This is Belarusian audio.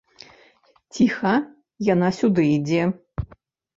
Ціха, яна сюды ідзе.